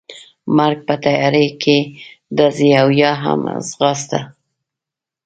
مرګ، په تیارې کې ډزې او یا هم ځغاسته.